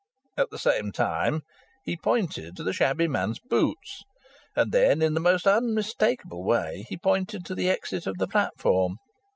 At the same time he pointed to the shabby man's boots, and then in the most unmistakable way he pointed to the exit of the platform.